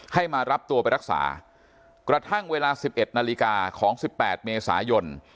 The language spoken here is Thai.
ให้มารับตัวไปรักษากระทั่งเวลา๑๑นาฬิกาของ๑๘เมษายน